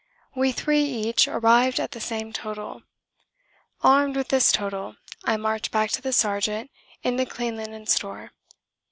We three each arrived at the same total. Armed with this total I marched back to the sergeant in the Clean Linen Store.